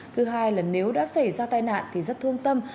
thứ hai là nếu đã xảy ra tai nạn thì rất thương tâm